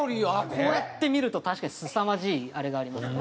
こうやって見ると確かにすさまじいあれがありますね。